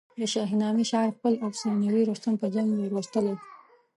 د شاهنامې شاعر خپل افسانوي رستم په جنګ وروستلی.